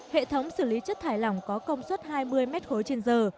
hệ thống xử lý chất thải lỏng có công suất hai mươi m ba trên giờ